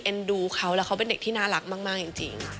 ดูเขาแล้วเขาเป็นเด็กที่น่ารักมากจริง